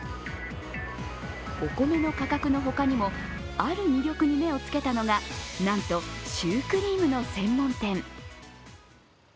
お米の価格の他にも、ある魅力に目をつけたのがなんとシュークリームの専門店。